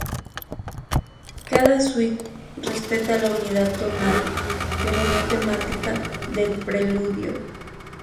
Cada suite respeta la unidad tonal, pero no temática, del preludio.